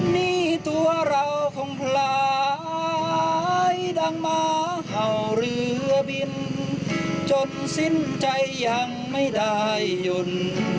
นี่ตัวเราคงพลายดังมาเห่าเรือบินจนสิ้นใจยังไม่ได้ยนต์